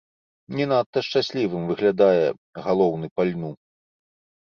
Не надта шчаслівым выглядае галоўны па льну.